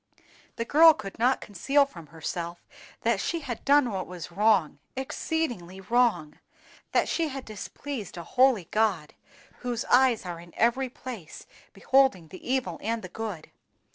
The girl could not conceal from herself that she had done what was wrong—exceedingly wrong; that she had displeased a holy God, whose eyes are in every place beholding the evil and the good.